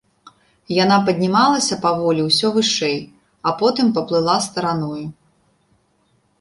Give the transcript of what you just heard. Яна паднімалася паволі ўсё вышэй, а потым паплыла стараною.